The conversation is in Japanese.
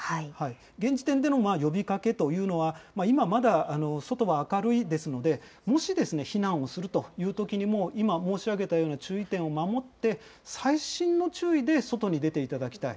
現時点での呼びかけというのは、今、まだ外は明るいですので、もし避難をするというときも、今申し上げたような注意点を守って、細心の注意で外に出ていただきたい。